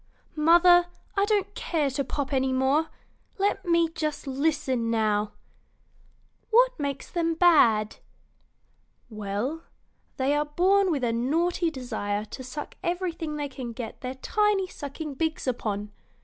[Illustration: Tree and Leaf Hoppers] "Mother, I don't care to pop any more; let me just listen now. What makes them bad?" "Well, they are born with a naughty desire to suck everything they can get their tiny sucking beaks upon.